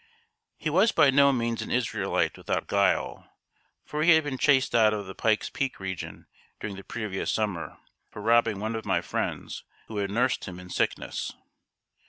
] He was by no means an Israelite without guile, for he had been chased out of the Pike's Peak region during the previous summer, for robbing one of my friends who had nursed him in sickness.